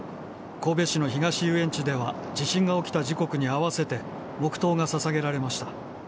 神戸市の東遊園地では、地震が起きた時刻に合わせて黙とうがささげられました。